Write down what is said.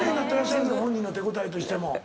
本人の手応えとしても。